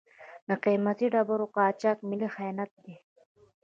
د قیمتي ډبرو قاچاق ملي خیانت دی.